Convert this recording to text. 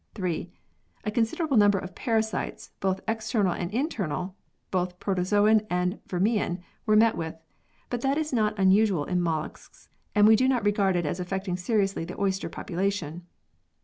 3. A considerable number of parasites, both external and internal, both Protozoan and Vermean, were met with, but that is not unusual in molluscs, and we do not regard it as affecting seriously the oyster population.